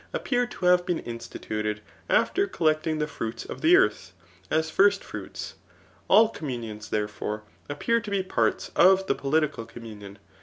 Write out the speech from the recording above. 811 aqpptfttr to hare been inodtuted after collecdng the fruits of tbe eutb^ as first fruits^ All communions, therefore, wppcm to be parts of the pdkical communion.